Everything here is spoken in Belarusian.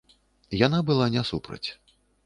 Яна была не супраць.